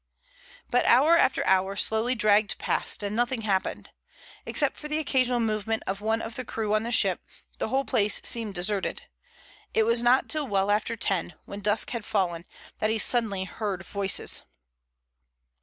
But hour after hour slowly dragged past and nothing happened. Except for the occasional movement of one of the crew on the ship, the whole place seemed deserted. It was not till well after ten, when dusk had fallen, that he suddenly heard voices.